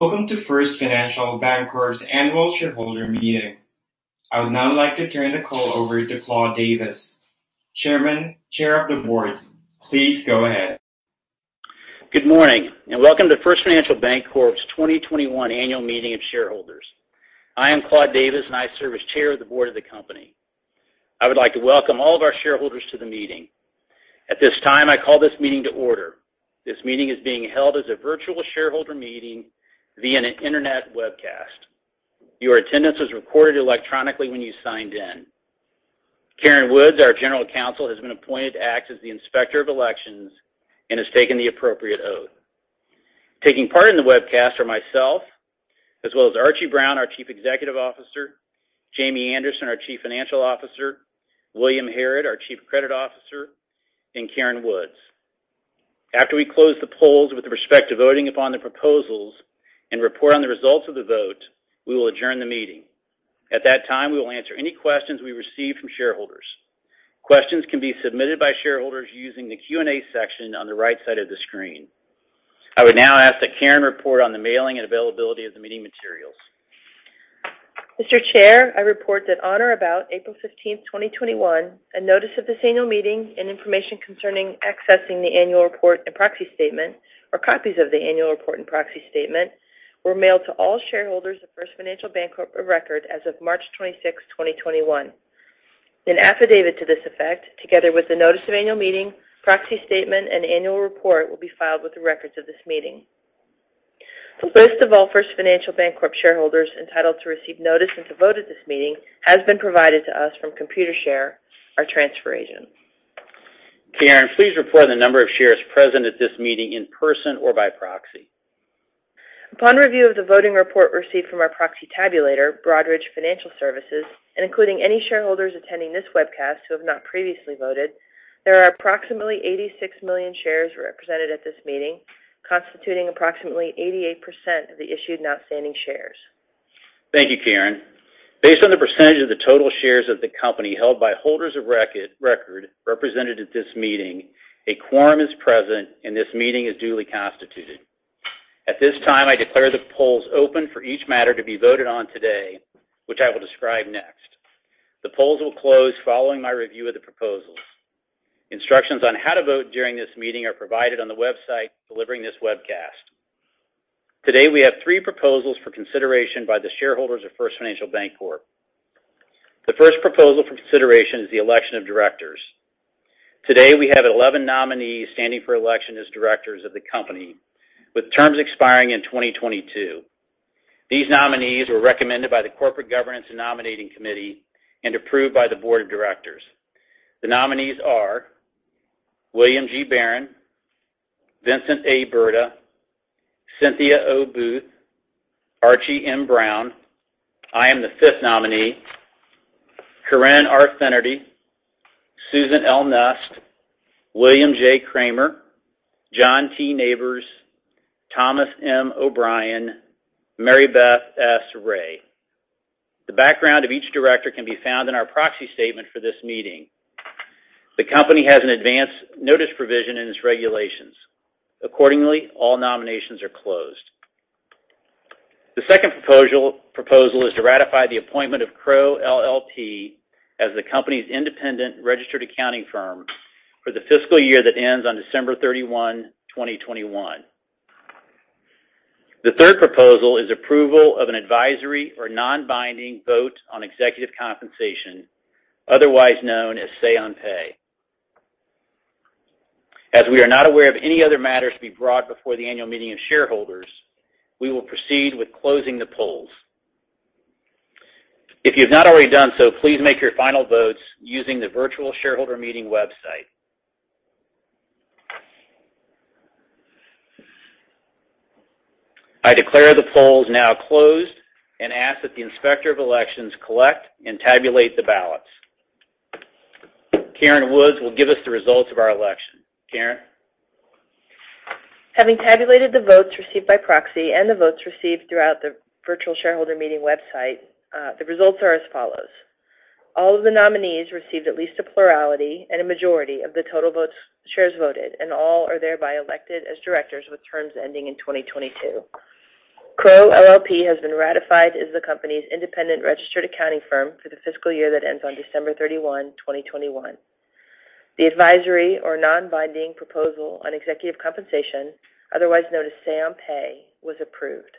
Welcome to First Financial Bancorp's annual shareholder meeting. I would now like to turn the call over to Claude E. Davis, Chairman, Chair of the Board. Please go ahead. Good morning, and welcome to First Financial Bancorp's 2021 annual meeting of shareholders. I am Claude Davis, and I serve as Chair of the Board of the company. I would like to welcome all of our shareholders to the meeting. At this time, I call this meeting to order. This meeting is being held as a virtual shareholder meeting via an internet webcast. Your attendance was recorded electronically when you signed in. Karen Woods, our General Counsel, has been appointed to act as the inspector of elections and has taken the appropriate oath. Taking part in the webcast are myself, as well as Archie Brown, our Chief Executive Officer, Jamie Anderson, our Chief Financial Officer, William Harrod, our Chief Credit Officer, and Karen Woods. After we close the polls with respect to voting upon the proposals and report on the results of the vote, we will adjourn the meeting. At that time, we will answer any questions we receive from shareholders. Questions can be submitted by shareholders using the Q&A section on the right side of the screen. I would now ask that Karen report on the mailing and availability of the meeting materials. Mr. Chair, I report that on or about April 15th, 2021, a notice of this annual meeting and information concerning accessing the annual report and proxy statement, or copies of the annual report and proxy statement, were mailed to all shareholders of First Financial Bancorp of record as of March 26th, 2021. An affidavit to this effect, together with the notice of annual meeting, proxy statement, and annual report, will be filed with the records of this meeting. The list of all First Financial Bancorp shareholders entitled to receive notice and to vote at this meeting has been provided to us from Computershare, our transfer agent. Karen, please report the number of shares present at this meeting in person or by proxy. Upon review of the voting report received from our proxy tabulator, Broadridge Financial Solutions, including any shareholders attending this webcast who have not previously voted, there are approximately 86 million shares represented at this meeting, constituting approximately 88% of the issued and outstanding shares. Thank you, Karen. Based on the percentage of the total shares of the company held by holders of record represented at this meeting, a quorum is present, and this meeting is duly constituted. At this time, I declare the polls open for each matter to be voted on today, which I will describe next. The polls will close following my review of the proposals. Instructions on how to vote during this meeting are provided on the website delivering this webcast. Today, we have three proposals for consideration by the shareholders of First Financial Bancorp. The first proposal for consideration is the election of directors. Today, we have 11 nominees standing for election as directors of the company, with terms expiring in 2022. These nominees were recommended by the Corporate Governance and Nominating Committee and approved by the board of directors. The nominees are William G. Barron, Vincent A. Berta, Cynthia O. Booth, Archie M. Brown. I am the fifth nominee, Corinne R. Finnerty, Susan L. Knust, William J. Kramer, John T. Neighbours, Thomas M. O'Brien, Maribeth S. Rahe. The background of each director can be found in our proxy statement for this meeting. The company has an advanced notice provision in its regulations. All nominations are closed. The second proposal is to ratify the appointment of Crowe LLP as the company's independent registered accounting firm for the fiscal year that ends on December 31, 2021. The third proposal is approval of an advisory or non-binding vote on executive compensation, otherwise known as Say on Pay. We are not aware of any other matters to be brought before the annual meeting of shareholders, we will proceed with closing the polls. If you have not already done so, please make your final votes using the virtual shareholder meeting website. I declare the polls now closed and ask that the inspector of elections collect and tabulate the ballots. Karen Woods will give us the results of our election. Karen? Having tabulated the votes received by proxy and the votes received throughout the virtual shareholder meeting website, the results are as follows. All of the nominees received at least a plurality and a majority of the total shares voted, and all are thereby elected as directors with terms ending in 2022. Crowe LLP has been ratified as the company's independent registered accounting firm for the fiscal year that ends on December 31, 2021. The advisory or non-binding proposal on executive compensation, otherwise known as Say on Pay, was approved.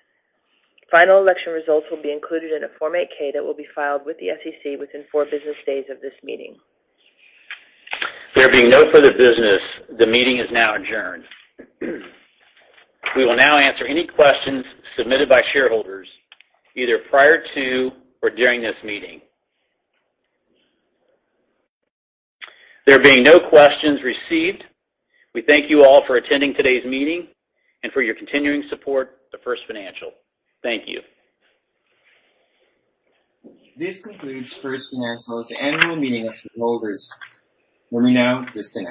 Final election results will be included in a Form 8-K that will be filed with the SEC within four business days of this meeting. There being no further business, the meeting is now adjourned. We will now answer any questions submitted by shareholders, either prior to or during this meeting. There being no questions received, we thank you all for attending today's meeting and for your continuing support of First Financial. Thank you. This concludes First Financial's annual meeting of shareholders. We may now disconnect.